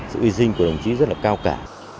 sự hy sinh của đồng chí rất là cao cả